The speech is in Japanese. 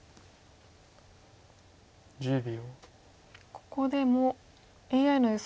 ここでもＡＩの予想